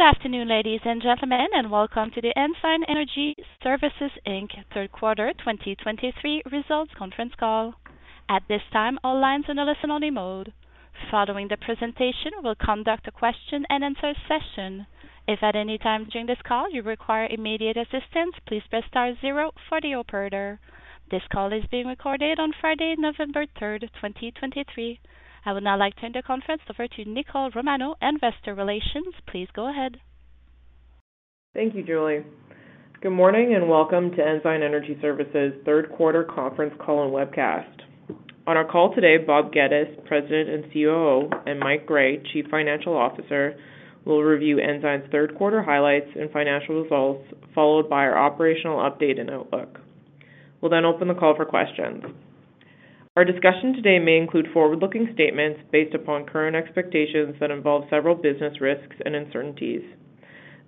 Good afternoon, ladies and gentlemen, and welcome to the Ensign Energy Services Inc. Third Quarter 2023 Results Conference Call. At this time, all lines in a listen-only mode. Following the presentation, we'll conduct a question-and-answer session. If at any time during this call you require immediate assistance, please press star zero for the operator. This call is being recorded on Friday, November third, 2023. I would now like to turn the conference over to Nicole Romanow, Investor Relations. Please go ahead. Thank you, Julie. Good morning, and welcome to Ensign Energy Services third quarter conference call and webcast. On our call today, Bob Geddes, President and COO; and Mike Gray, Chief Financial Officer, will review Ensign's third quarter highlights and financial results, followed by our operational update and outlook. We'll then open the call for questions. Our discussion today may include forward-looking statements based upon current expectations that involve several business risks and uncertainties.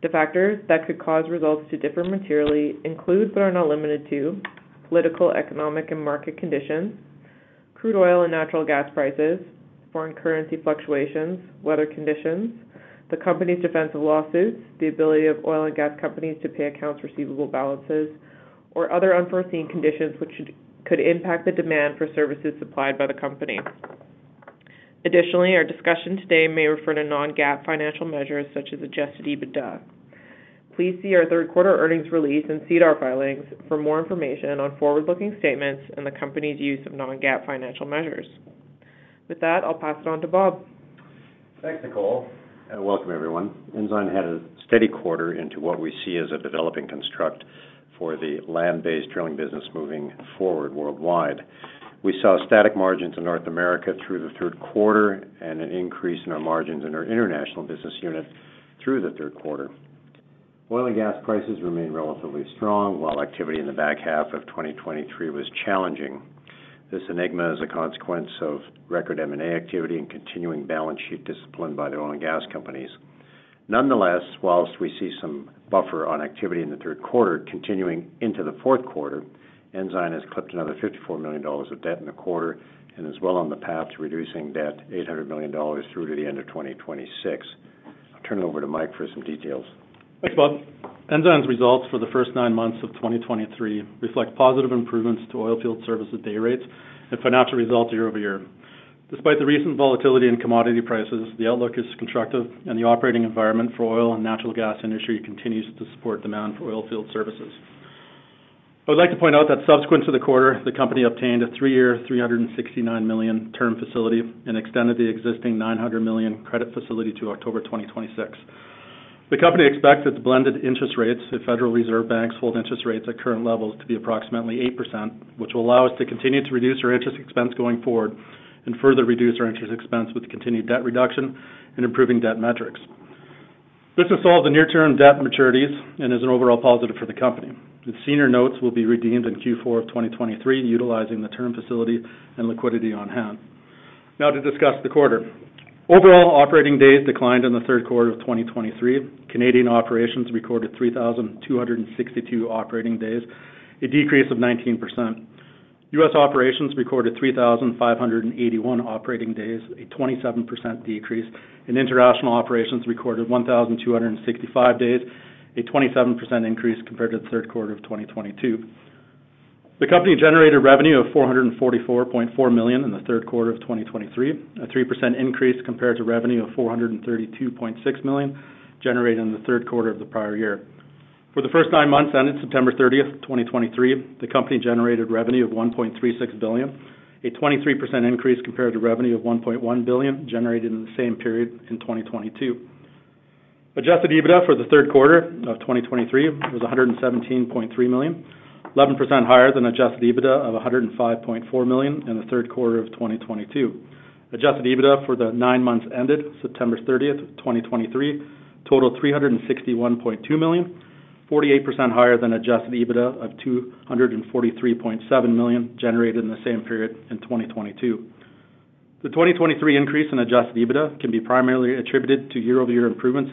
The factors that could cause results to differ materially include, but are not limited to political, economic, and market conditions, crude oil and natural gas prices, foreign currency fluctuations, weather conditions, the company's defense of lawsuits, the ability of oil and gas companies to pay accounts receivable balances, or other unforeseen conditions which could impact the demand for services supplied by the company. Additionally, our discussion today may refer to non-GAAP financial measures such as adjusted EBITDA. Please see our third quarter earnings release and SEDAR filings for more information on forward-looking statements and the company's use of non-GAAP financial measures. With that, I'll pass it on to Bob. Thanks, Nicole, and welcome everyone. Ensign had a steady quarter into what we see as a developing construct for the land-based drilling business moving forward worldwide. We saw static margins in North America through the third quarter and an increase in our margins in our international business unit through the third quarter. Oil and gas prices remain relatively strong, while activity in the back half of 2023 was challenging. This enigma is a consequence of record M&A activity and continuing balance sheet discipline by the oil and gas companies. Nonetheless, whilst we see some buffer on activity in the third quarter continuing into the fourth quarter, Ensign has clipped another 54 million dollars of debt in the quarter and is well on the path to reducing debt 800 million dollars through to the end of 2026. I'll turn it over to Mike for some details. Thanks, Bob. Ensign's results for the first nine months of 2023 reflect positive improvements to oil field service day rates and financial results year-over-year. Despite the recent volatility in commodity prices, the outlook is constructive and the operating environment for oil and natural gas industry continues to support demand for oil field services. I would like to point out that subsequent to the quarter, the company obtained a three-year, 369 million term facility and extended the existing 900 million credit facility to October 2026. The company expects its blended interest rates if Federal Reserve Banks hold interest rates at current levels to be approximately 8%, which will allow us to continue to reduce our interest expense going forward and further reduce our interest expense with continued debt reduction and improving debt metrics. This will solve the near-term debt maturities and is an overall positive for the company. The senior notes will be redeemed in Q4 of 2023, utilizing the term facility and liquidity on hand. Now to discuss the quarter. Overall, operating days declined in the third quarter of 2023. Canadian operations recorded 3,262 operating days, a decrease of 19%. U.S. operations recorded 3,581 operating days, a 27% decrease, and international operations recorded 1,265 days, a 27% increase compared to the third quarter of 2022. The company generated revenue of 444.4 million in the third quarter of 2023, a 3% increase compared to revenue of 432.6 million, generated in the third quarter of the prior year. For the first nine months, ended September 30th, 2023, the company generated revenue of 1.36 billion, a 23% increase compared to revenue of 1.1 billion, generated in the same period in 2022. Adjusted EBITDA for the third quarter of 2023 was 117.3 million, 11% higher than adjusted EBITDA of 105.4 million in the third quarter of 2022. Adjusted EBITDA for the nine months ended September 30th, 2023, total 361.2 million, 48% higher than adjusted EBITDA of 243.7 million, generated in the same period in 2022. The 2023 increase in adjusted EBITDA can be primarily attributed to year-over-year improvements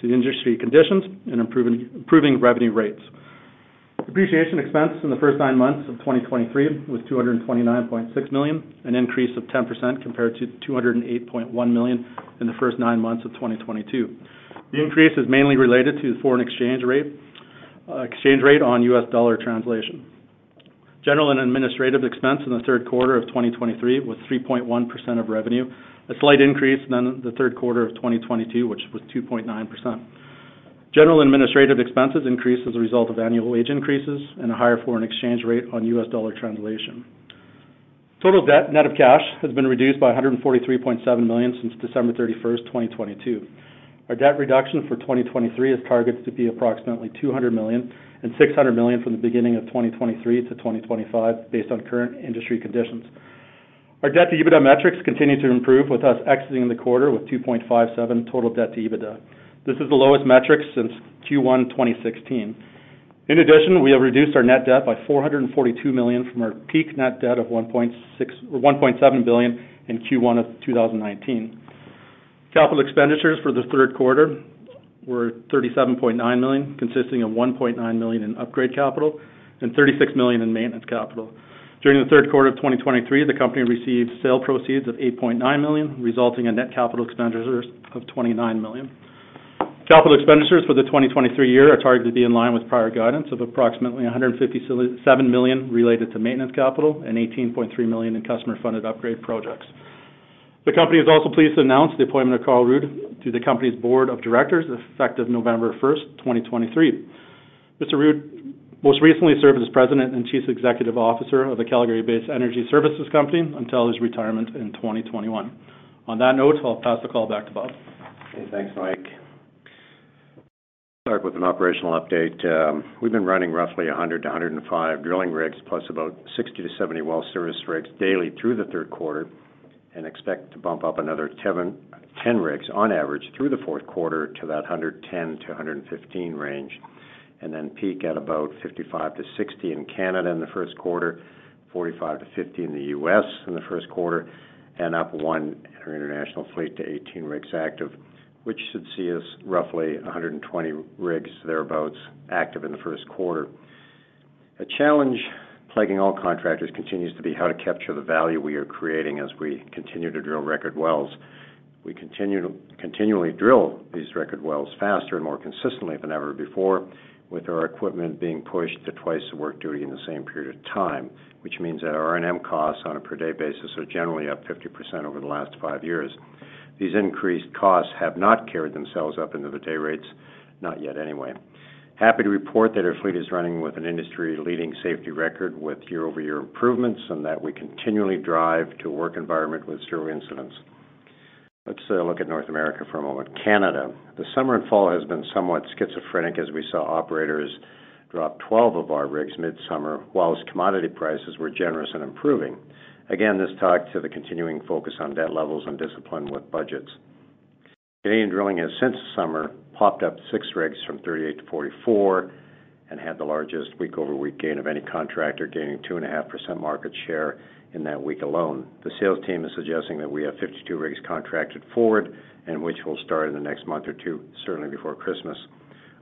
to the industry conditions and improving revenue rates. Depreciation expense in the first nine months of 2023 was 229.6 million, an increase of 10% compared to 208.1 million in the first nine months of 2022. The increase is mainly related to the foreign exchange rate, exchange rate on U.S. dollar translation. General and administrative expense in the third quarter of 2023 was 3.1% of revenue, a slight increase than the third quarter of 2022, which was 2.9%. General administrative expenses increased as a result of annual wage increases and a higher foreign exchange rate on U.S. dollar translation. Total debt, net of cash, has been reduced by 143.7 million since December 31st, 2022. Our debt reduction for 2023 is targeted to be approximately 200 million and 600 million from the beginning of 2023-2025, based on current industry conditions. Our debt to EBITDA metrics continue to improve, with us exiting the quarter with 2.57 total debt to EBITDA. This is the lowest metric since Q1 2016. In addition, we have reduced our net debt by 442 million from our peak net debt of 1.7 billion in Q1 of 2019. Capital expenditures for the third quarter were 37.9 million, consisting of 1.9 million in upgrade capital and 36 million in maintenance capital. During the third quarter of 2023, the company received sale proceeds of 8.9 million, resulting in net capital expenditures of 29 million. Capital expenditures for the 2023 year are targeted to be in line with prior guidance of approximately 157 million related to maintenance capital and 18.3 million in customer-funded upgrade projects. The company is also pleased to announce the appointment of Karl Ruud to the company's board of directors, effective November 1st, 2023. Mr. Ruud most recently served as President and Chief Executive Officer of the Calgary-based energy services company until his retirement in 2021. On that note, I'll pass the call back to Bob. Okay, thanks, Mike. Start with an operational update. We've been running roughly 100-105 drilling rigs, plus about 60-70 well service rigs daily through the third quarter, and expect to bump up another 10-10 rigs on average through the fourth quarter to that 110-115 range, and then peak at about 55-60 in Canada in the first quarter, 45-50 in the U.S. in the first quarter, and up one in our international fleet to 18 rigs active, which should see us roughly 120 rigs, thereabouts, active in the first quarter. A challenge plaguing all contractors continues to be how to capture the value we are creating as we continue to drill record wells. We continually drill these record wells faster and more consistently than ever before, with our equipment being pushed to twice the work duty in the same period of time, which means that our R&M costs on a per-day basis are generally up 50% over the last five years. These increased costs have not carried themselves up into the day rates. Not yet, anyway. Happy to report that our fleet is running with an industry-leading safety record with year-over-year improvements, and that we continually drive to a work environment with zero incidents. Let's look at North America for a moment. Canada. The summer and fall has been somewhat schizophrenic, as we saw operators drop 12 of our rigs mid-summer, while its commodity prices were generous and improving. Again, this talked to the continuing focus on debt levels and discipline with budgets. Canadian drilling has since summer, popped up six rigs from 38 to 44 and had the largest week-over-week gain of any contractor, gaining 2.5% market share in that week alone. The sales team is suggesting that we have 52 rigs contracted forward and which will start in the next month or two, certainly before Christmas.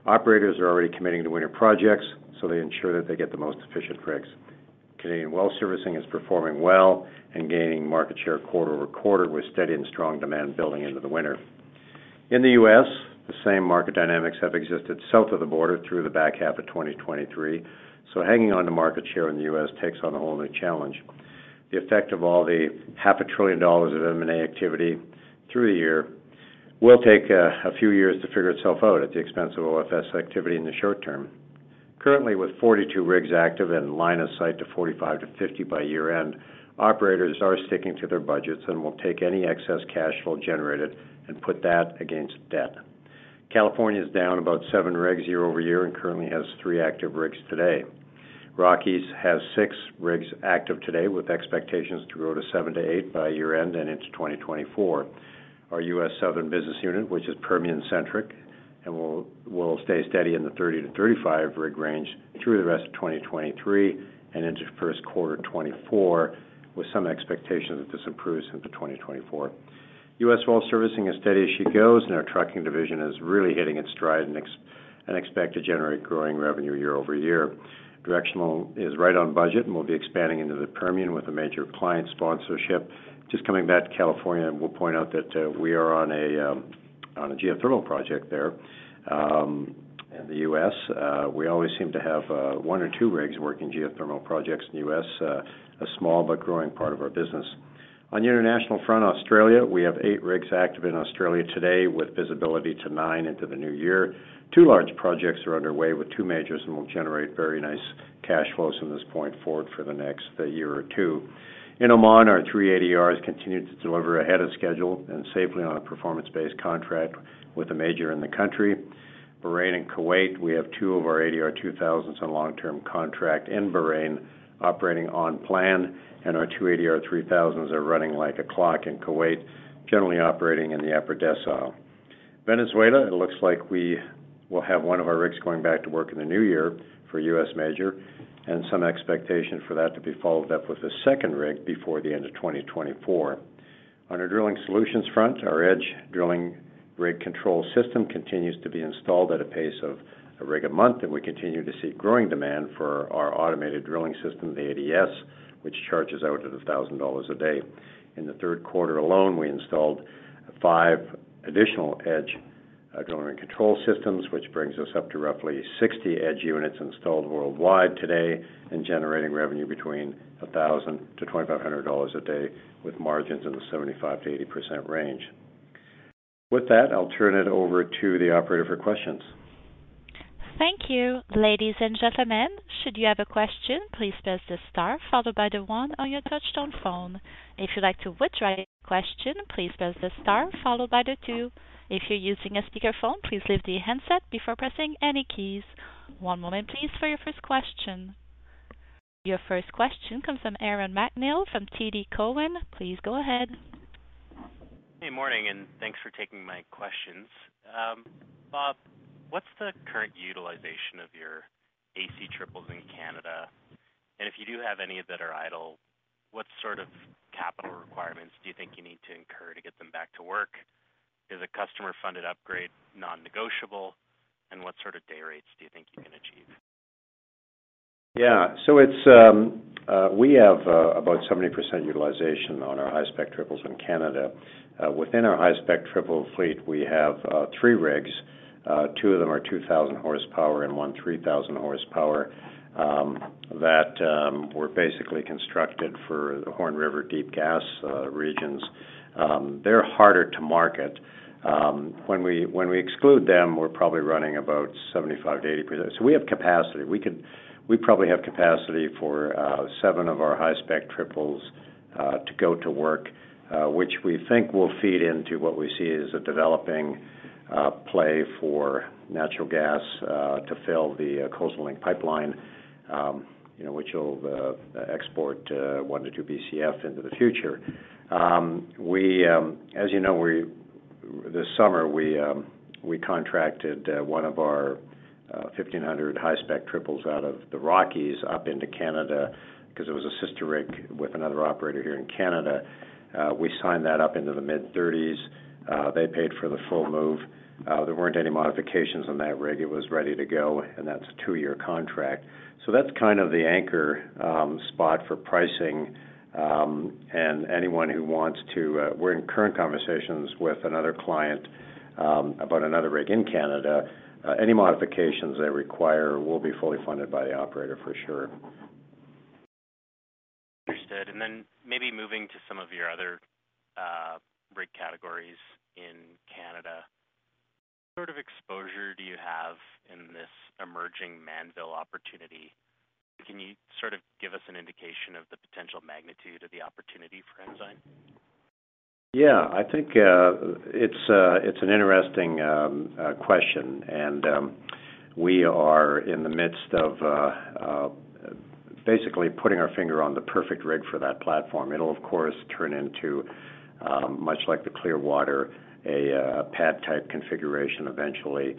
Operators are already committing to winter projects, so they ensure that they get the most efficient rigs. Canadian well servicing is performing well and gaining market share quarter-over-quarter, with steady and strong demand building into the winter. In the U.S., the same market dynamics have existed south of the border through the back half of 2023, so hanging on to market share in the U.S. takes on a whole new challenge. The effect of all the $500 billion of M&A activity through the year will take a few years to figure itself out at the expense of OFS activity in the short term. Currently, with 42 rigs active in line of sight to 45-50 by year-end, operators are sticking to their budgets and will take any excess cash flow generated and put that against debt. California is down about seven rigs year-over-year and currently has three active rigs today. Rockies has six rigs active today, with expectations to grow to seven-eight by year-end and into 2024. Our U.S. Southern business unit, which is Permian-centric, and will, will stay steady in the 30-35 rig range through the rest of 2023 and into the first quarter of 2024, with some expectation that this improves into 2024. U.S. well servicing is steady as she goes, and our trucking division is really hitting its stride and expect to generate growing revenue year-over-year. Directional is right on budget, and we'll be expanding into the Permian with a major client sponsorship. Just coming back to California, and we'll point out that we are on a geothermal project there in the U.S. We always seem to have one or two rigs working geothermal projects in the U.S., a small but growing part of our business. On the international front, Australia, we have eight rigs active in Australia today, with visibility to nine into the new year. Two large projects are underway with two majors and will generate very nice cash flows from this point forward for the next year or two. In Oman, our three ADRs continue to deliver ahead of schedule and safely on a performance-based contract with a major in the country. Bahrain and Kuwait, we have two of our ADR 2000s on long-term contract in Bahrain, operating on plan, and our two ADR 3000s are running like a clock in Kuwait, generally operating in the upper decile. Venezuela, it looks like we will have one of our rigs going back to work in the new year for a U.S. major and some expectation for that to be followed up with a second rig before the end of 2024. On our Drilling Solutions front, our EDGE drilling rig control system continues to be installed at a pace of a rig a month, and we continue to see growing demand for our automated drilling system, the ADS, which charges out at $1,000 a day. In the third quarter alone, we installed five additional EDGE drilling control systems, which brings us up to roughly 60 EDGE units installed worldwide today and generating revenue between $1,000-$2,500 a day, with margins in the 75%-80% range. With that, I'll turn it over to the operator for questions. Thank you. Ladies and gentlemen, should you have a question, please press the star followed by the one on your touchtone phone. If you'd like to withdraw your question, please press the star followed by the two. If you're using a speakerphone, please leave the handset before pressing any keys. One moment please, for your first question. Your first question comes from Aaron MacNeil from TD Cowen. Please go ahead. Hey, morning, and thanks for taking my questions. Bob, what's the current utilization of your AC triples in Canada? And if you do have any that are idle, what sort of capital requirements do you think you need to incur to get them back to work? Is a customer-funded upgrade non-negotiable, and what sort of day rates do you think you can achieve? Yeah, so it's, we have about 70% utilization on our high-spec triples in Canada. Within our high-spec triple fleet, we have three rigs. Two of them are 2000 horsepower and one 3000 horsepower that were basically constructed for the Horn River deep gas regions. They're harder to market. When we exclude them, we're probably running about 75%-80%. So we have capacity. We could—we probably have capacity for seven of our high-spec triples to go to work, which we think will feed into what we see as a developing play for natural gas to fill the Coastal GasLink pipeline, you know, which will export one-two BCF into the future. As you know, this summer, we contracted one of our 1,500 high-spec triples out of the Rockies up into Canada, because it was a sister rig with another operator here in Canada. We signed that up into the mid-30s. They paid for the full move. There weren't any modifications on that rig. It was ready to go, and that's a two-year contract. So that's kind of the anchor spot for pricing, and anyone who wants to we're in current conversations with another client about another rig in Canada. Any modifications they require will be fully funded by the operator for sure. Understood. And then maybe moving to some of your other rig categories in Canada, what sort of exposure do you have in this emerging Mannville opportunity? Can you sort of give us an indication of the potential magnitude of the opportunity for Ensign? Yeah, I think it's an interesting question, and we are in the midst of basically putting our finger on the perfect rig for that platform. It'll, of course, turn into much like the Clearwater, a pad-type configuration eventually.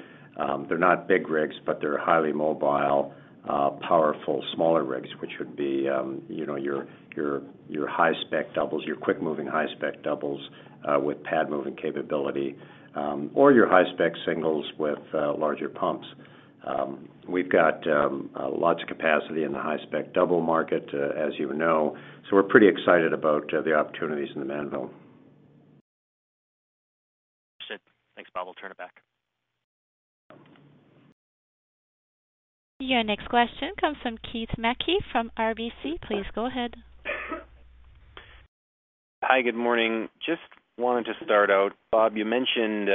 They're not big rigs, but they're highly mobile powerful, smaller rigs, which would be, you know, your high-spec doubles, your quick-moving, high-spec doubles with pad moving capability, or your high-spec singles with larger pumps. We've got lots of capacity in the high-spec double market, as you know, so we're pretty excited about the opportunities in the Mannville. Understood. Thanks, Bob. I'll turn it back. Your next question comes from Keith Mackey, from RBC. Please go ahead. Hi, good morning. Just wanted to start out, Bob, you mentioned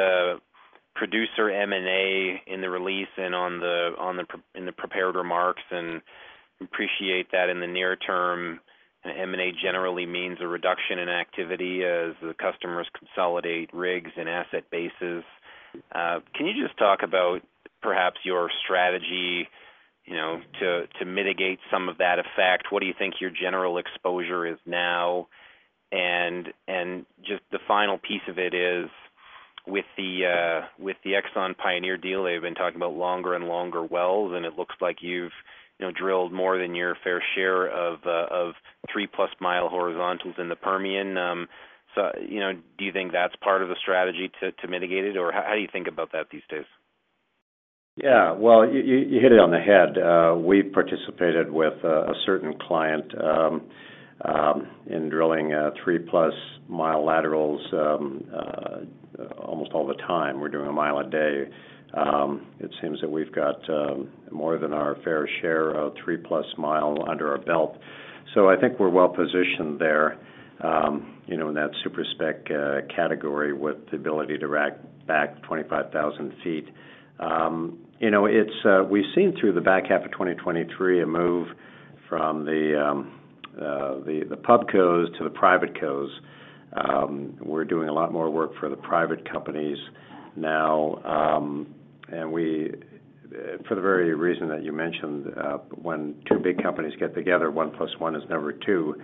producer M&A in the release and on the prepared remarks, and appreciate that in the near term, M&A generally means a reduction in activity as the customers consolidate rigs and asset bases. Can you just talk about perhaps your strategy, you know, to mitigate some of that effect? What do you think your general exposure is now? And just the final piece of it is with the Exxon Pioneer deal, they've been talking about longer and longer wells, and it looks like you've, you know, drilled more than your fair share of 3+ mi horizontals in the Permian. So, you know, do you think that's part of the strategy to mitigate it, or how do you think about that these days? Yeah, well, you hit it on the head. We've participated with a certain client in drilling 3+ mi laterals almost all the time. We're doing a mile a day. It seems that we've got more than our fair share of 3+ mi under our belt, so I think we're well positioned there, you know, in that Super spec category, with the ability to rack back 25,000 feet. You know, we've seen through the back half of 2023, a move from the pubcos to the privatecos. We're doing a lot more work for the private companies now, and we, for the very reason that you mentioned, when two big companies get together, 1 + 1 is never two,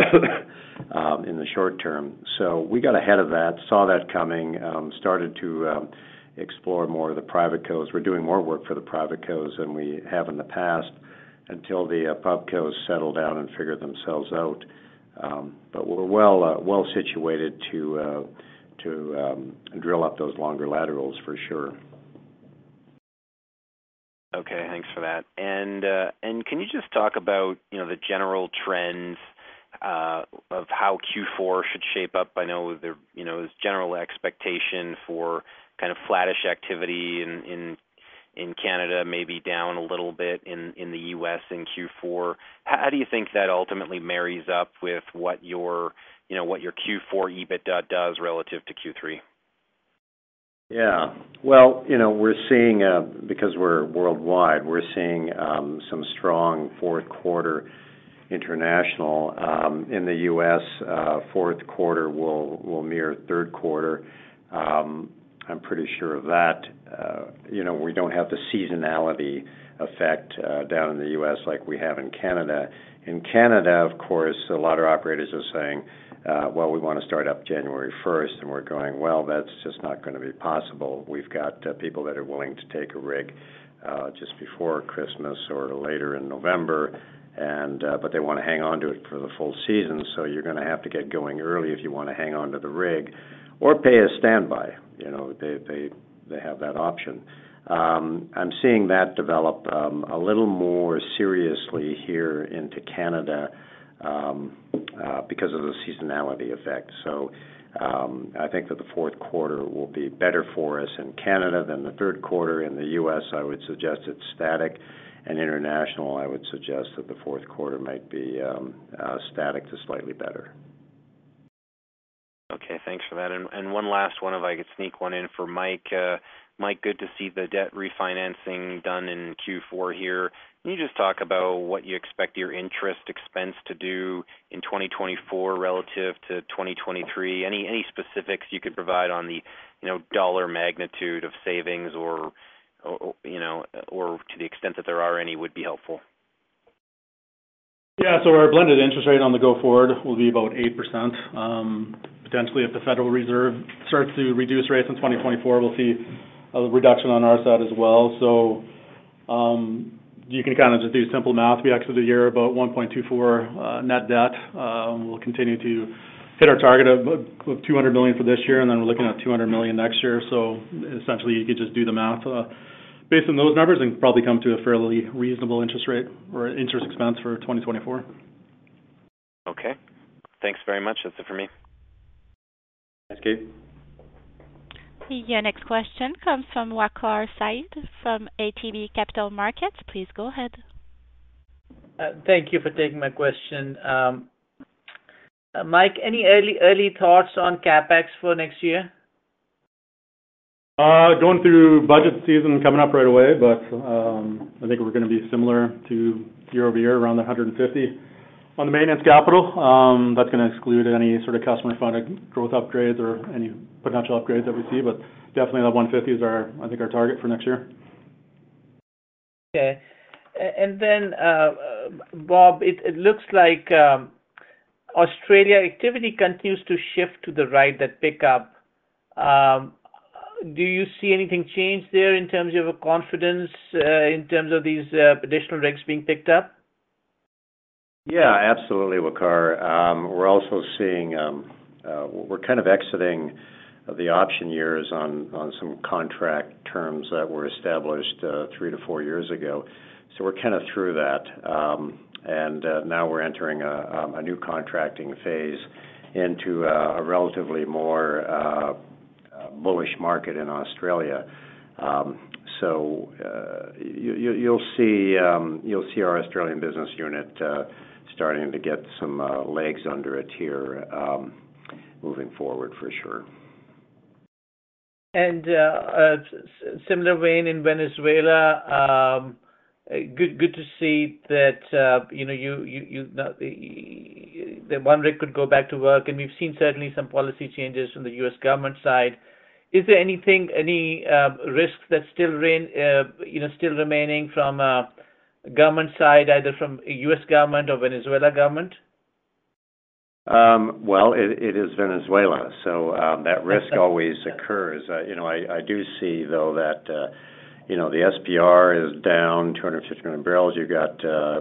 in the short term. So we got ahead of that, saw that coming, started to explore more of the privatecos. We're doing more work for the privatecos than we have in the past, until the pubcos settle down and figure themselves out. But we're well situated to drill up those longer laterals for sure. Okay, thanks for that. And, and can you just talk about, you know, the general trends, of how Q4 should shape up? I know there, you know, is general expectation for kind of flattish activity in Canada, maybe down a little bit in the U.S. in Q4. How do you think that ultimately marries up with what your, you know, what your Q4 EBITDA does relative to Q3? Yeah. Well, you know, we're seeing, because we're worldwide, we're seeing, some strong fourth quarter international. In the U.S., fourth quarter will, will mirror third quarter. I'm pretty sure of that. You know, we don't have the seasonality effect, down in the U.S. like we have in Canada. In Canada, of course, a lot of operators are saying, "Well, we want to start up January first," and we're going, "Well, that's just not gonna be possible." We've got, people that are willing to take a rig, just before Christmas or later in November and, but they want to hang on to it for the full season, so you're gonna have to get going early if you want to hang on to the rig or pay a standby. You know, they, they, they have that option. I'm seeing that develop a little more seriously here into Canada because of the seasonality effect. So, I think that the fourth quarter will be better for us in Canada than the third quarter. In the U.S., I would suggest it's static, and international, I would suggest that the fourth quarter might be static to slightly better. Okay, thanks for that. And one last one, if I could sneak one in for Mike. Mike, good to see the debt refinancing done in Q4 here. Can you just talk about what you expect your interest expense to do in 2024 relative to 2023? Any specifics you could provide on the, you know, dollar magnitude of savings or, you know, or to the extent that there are any, would be helpful. Yeah. So our blended interest rate going forward will be about 8%. Potentially, if the Federal Reserve starts to reduce rates in 2024, we'll see a reduction on our side as well. So, you can kinda just do simple math. We exited the year about 1.24 billion net debt. We'll continue to hit our target of 200 million for this year, and then we're looking at 200 million next year. So essentially, you could just do the math based on those numbers and probably come to a fairly reasonable interest rate or interest expense for 2024. Okay. Thanks very much. That's it for me. Thanks, Keith. Your next question comes from Waqar Syed from ATB Capital Markets. Please go ahead. Thank you for taking my question. Mike, any early, early thoughts on CapEx for next year? Going through budget season, coming up right away, but I think we're gonna be similar to year-over-year, around 150. On the maintenance capital, that's gonna exclude any sort of customer-funded growth upgrades or any potential upgrades that we see, but definitely the 150 is our, I think, our target for next year. Okay. And then, Bob, it looks like Australia activity continues to shift to the right, that pickup. Do you see anything change there in terms of confidence, in terms of these additional rigs being picked up? Yeah, absolutely, Waqar. We're also seeing, we're kind of exiting the option years on some contract terms that were established three-four years ago. So we're kind of through that. And now we're entering a new contracting phase into a relatively more bullish market in Australia. So you'll see our Australian business unit starting to get some legs under it here, moving forward for sure. And, similar vein in Venezuela, good to see that, you know, that one rig could go back to work, and we've seen certainly some policy changes from the U.S. government side. Is there anything, any risk that still remains—you know, still remaining from government side, either from U.S. government or Venezuela government? Well, it is Venezuela, so that risk always occurs. You know, I do see, though, that you know, the SPR is down 250 million barrels. You've got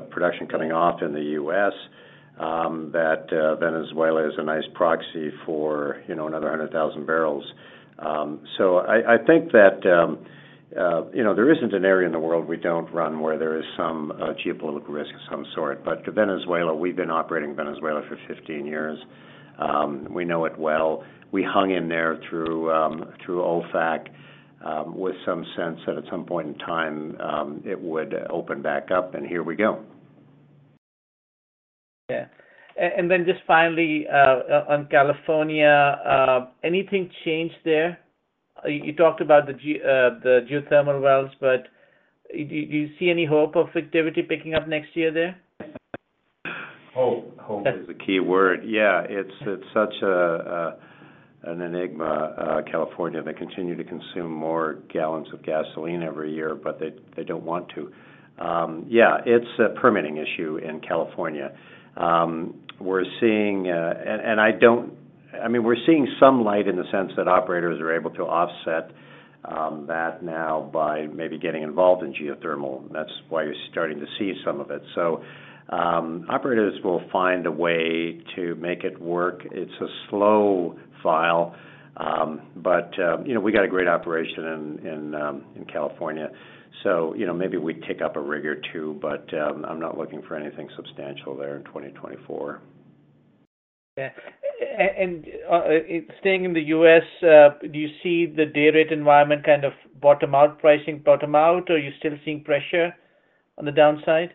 production cutting off in the U.S., that Venezuela is a nice proxy for, you know, another 100,000 bbl. So I think that you know, there isn't an area in the world we don't run where there is some geopolitical risk of some sort. But to Venezuela, we've been operating in Venezuela for 15 years. We know it well. We hung in there through OFAC, with some sense that at some point in time, it would open back up, and here we go. Yeah. And, and then just finally, on California, anything changed there? You talked about the geothermal wells, but do you see any hope of activity picking up next year there? Hope. Hope is the key word. Yeah, it's such an enigma, California. They continue to consume more gallons of gasoline every year, but they don't want to. Yeah, it's a permitting issue in California. I mean, we're seeing some light in the sense that operators are able to offset that now by maybe getting involved in geothermal, and that's why you're starting to see some of it. So, operators will find a way to make it work. It's a slow file, but you know, we got a great operation in California. So, you know, maybe we'd kick up a rig or two, but I'm not looking for anything substantial there in 2024. Yeah. Staying in the U.S., do you see the dayrate environment kind of bottom out, pricing bottom out, or are you still seeing pressure on the downside?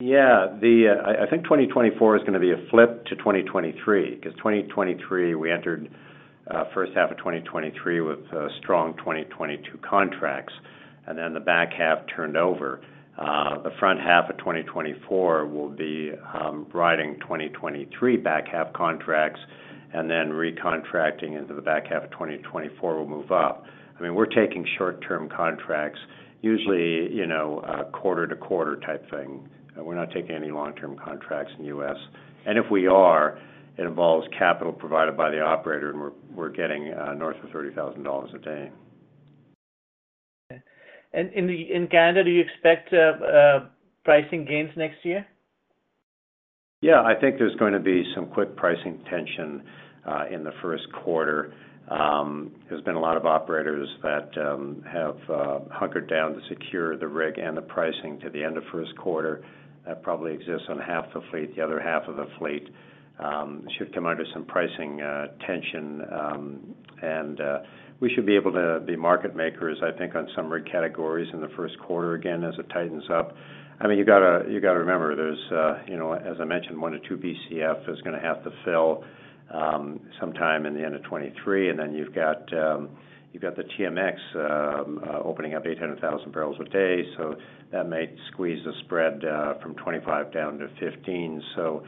Yeah, I think 2024 is gonna be a flip to 2023, because 2023, we entered first half of 2023 with strong 2022 contracts, and then the back half turned over. The front half of 2024 will be riding 2023 back half contracts, and then recontracting into the back half of 2024 will move up. I mean, we're taking short-term contracts, usually, you know, a quarter-to-quarter type thing. We're not taking any long-term contracts in the U.S. And if we are, it involves capital provided by the operator, and we're getting north of $30,000 a day. And in the, in Canada, do you expect pricing gains next year? Yeah, I think there's going to be some quick pricing tension in the first quarter. There's been a lot of operators that have hunkered down to secure the rig and the pricing to the end of first quarter. That probably exists on half the fleet. The other half of the fleet should come under some pricing tension and we should be able to be market makers, I think, on some rig categories in the first quarter, again, as it tightens up. I mean, you got to, you got to remember, there's, you know, as I mentioned, one or two BCF is going to have to fill, sometime in the end of 2023, and then you've got, you've got the TMX, opening up 800,000 bbl a day, so that may squeeze the spread, from 25 down to 15. So,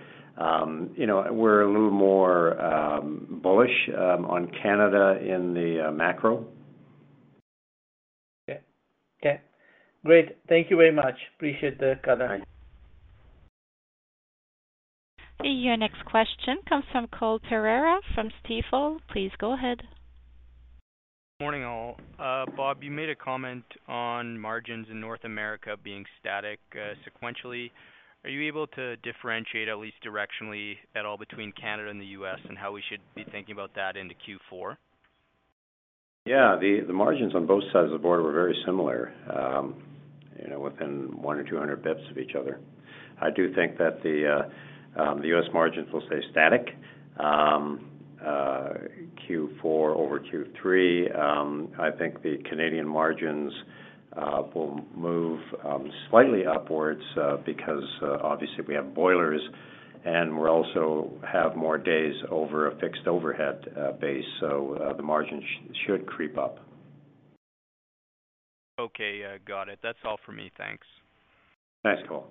you know, we're a little more, bullish, on Canada in the, macro. Okay. Great. Thank you very much. Appreciate the color. Thanks. Your next question comes from Cole Pereira from Stifel. Please go ahead. Morning, all. Bob, you made a comment on margins in North America being static, sequentially. Are you able to differentiate, at least directionally, at all, between Canada and the U.S., and how we should be thinking about that into Q4? Yeah, the margins on both sides of the border were very similar, you know, within 100 or 200 basis points of each other. I do think that the U.S. margins will stay static. Q4 over Q3, I think the Canadian margins will move slightly upwards, because obviously we have boilers, and we're also have more days over a fixed overhead base, so the margins should creep up. Okay, got it. That's all for me. Thanks. Thanks, Cole.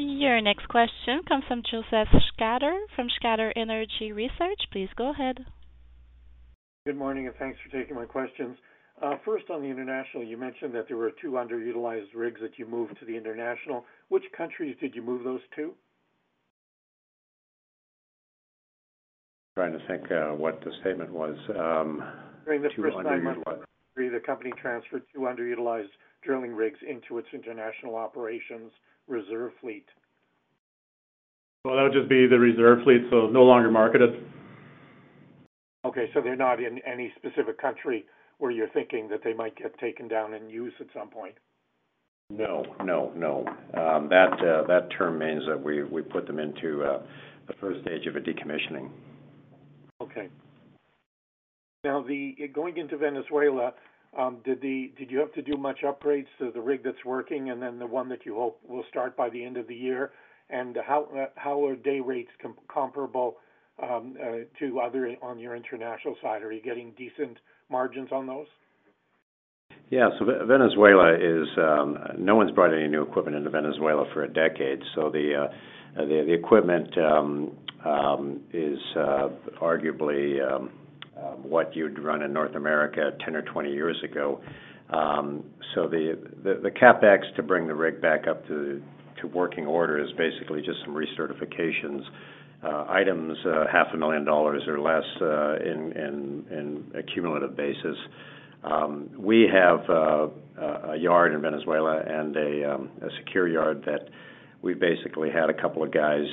Your next question comes from Josef Schachter from Schachter Energy Research. Please go ahead. Good morning, and thanks for taking my questions. First, on the international, you mentioned that there were two underutilized rigs that you moved to the international. Which countries did you move those to? I'm trying to think, what the statement was, two underutilized- During the first nine months of the year, the company transferred two underutilized drilling rigs into its international operations reserve fleet. Well, that would just be the reserve fleet, so no longer marketed. Okay, so they're not in any specific country where you're thinking that they might get taken down and used at some point? No, no, no. That term means that we put them into the first stage of a decommissioning. Okay. Now, going into Venezuela, did you have to do much upgrades to the rig that's working and then the one that you hope will start by the end of the year? And how are day rates comparable to others on your international side? Are you getting decent margins on those? Yeah. So Venezuela is, no one's brought any new equipment into Venezuela for a decade, so the equipment is arguably what you'd run in North America 10 or 20 years ago. So the CapEx to bring the rig back up to working order is basically just some recertifications, items, $500,000 or less, in a cumulative basis. We have a yard in Venezuela and a secure yard that we basically had a couple of guys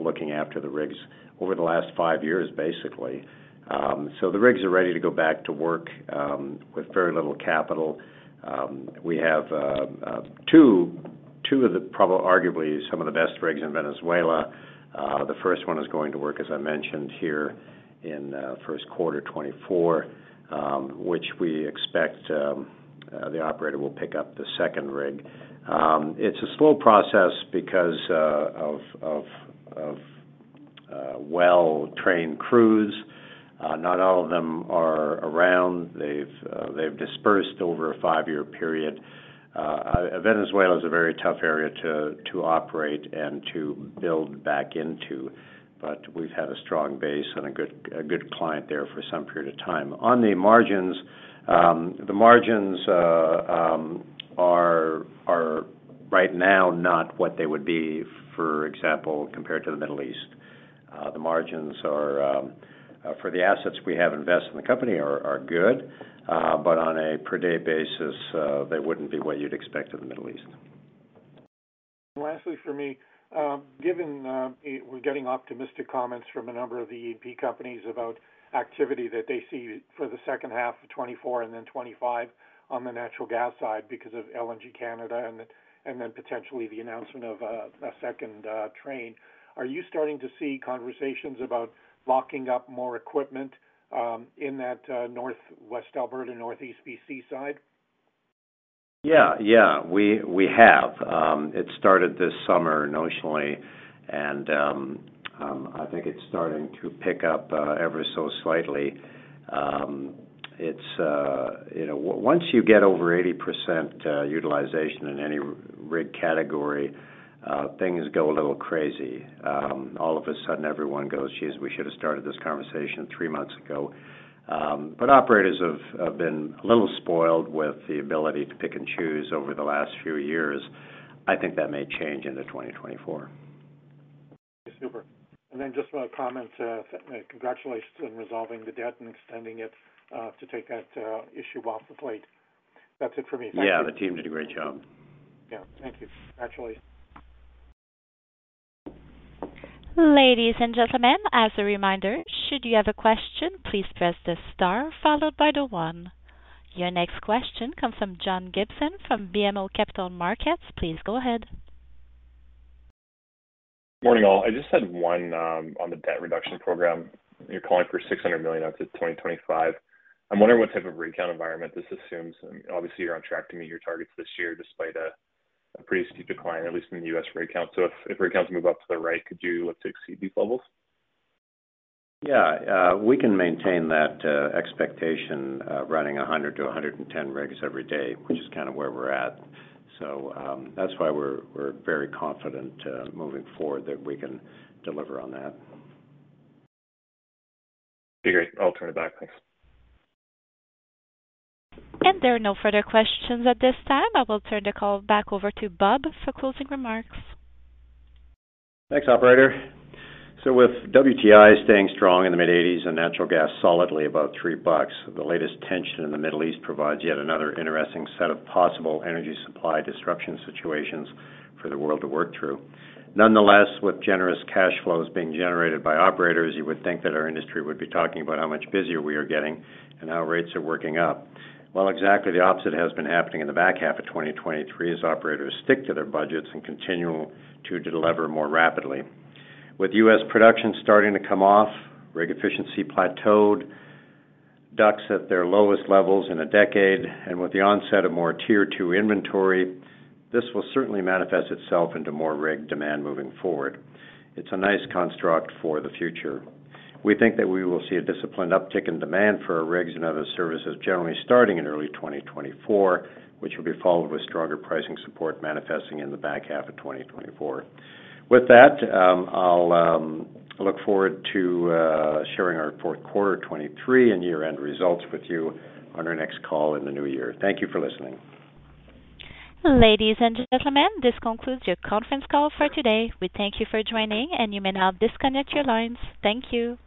looking after the rigs over the last five years, basically. So the rigs are ready to go back to work with very little capital. We have two of the arguably some of the best rigs in Venezuela. The first one is going to work, as I mentioned here, in first quarter 2024, which we expect, the operator will pick up the second rig. It's a slow process because of well-trained crews. Not all of them are around. They've dispersed over a five-year period. Venezuela is a very tough area to operate and to build back into, but we've had a strong base and a good client there for some period of time. On the margins, the margins are right now not what they would be, for example, compared to the Middle East. The margins are for the assets we have invested in the company are good, but on a per-day basis, they wouldn't be what you'd expect in the Middle East. Lastly, for me, given we're getting optimistic comments from a number of the EP companies about activity that they see for the second half of 2024 and then 2025 on the natural gas side because of LNG Canada and then potentially the announcement of a second train, are you starting to see conversations about locking up more equipment in that Northwest Alberta, Northeast BC side? Yeah, yeah, we have. It started this summer, notionally, and I think it's starting to pick up ever so slightly. You know, once you get over 80% utilization in any rig category, things go a little crazy. All of a sudden, everyone goes, "Geez, we should have started this conversation three months ago." But operators have been a little spoiled with the ability to pick and choose over the last few years. I think that may change into 2024. Super. And then just want to comment, congratulations on resolving the debt and extending it, to take that issue off the plate. That's it for me. Thank you. Yeah, the team did a great job. Yeah. Thank you. Actually. Ladies and gentlemen, as a reminder, should you have a question, please press the star followed by the one. Your next question comes from John Gibson from BMO Capital Markets. Please go ahead. Morning, all. I just had one on the debt reduction program. You're calling for 600 million up to 2025. I'm wondering what type of rig count environment this assumes. Obviously, you're on track to meet your targets this year, despite a pretty steep decline, at least in the U.S. rig count. So if rig counts move up to the right, could you look to exceed these levels? Yeah, we can maintain that expectation, running 100 to 110 rigs every day, which is kind of where we're at. So, that's why we're, we're very confident moving forward that we can deliver on that. Okay, great. I'll turn it back. Thanks. There are no further questions at this time. I will turn the call back over to Bob for closing remarks. Thanks, operator. So with WTI staying strong in the mid-$80s and natural gas solidly above $3, the latest tension in the Middle East provides yet another interesting set of possible energy supply disruption situations for the world to work through. Nonetheless, with generous cash flows being generated by operators, you would think that our industry would be talking about how much busier we are getting and how rates are working up. Well, exactly the opposite has been happening in the back half of 2023 as operators stick to their budgets and continue to deliver more rapidly. With U.S. production starting to come off, rig efficiency plateaued, DUCs at their lowest levels in a decade, and with the onset of more tier two inventory, this will certainly manifest itself into more rig demand moving forward. It's a nice construct for the future. We think that we will see a disciplined uptick in demand for our rigs and other services, generally starting in early 2024, which will be followed with stronger pricing support manifesting in the back half of 2024. With that, I'll look forward to sharing our fourth quarter 2023 and year-end results with you on our next call in the new year. Thank you for listening. Ladies and gentlemen, this concludes your conference call for today. We thank you for joining, and you may now disconnect your lines. Thank you.